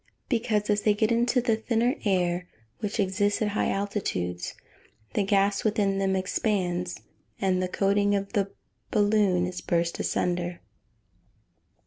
_ Because, as they get into the thinner air, which exists at high altitudes, the gas within them expands, and the coating of the balloon is burst asunder.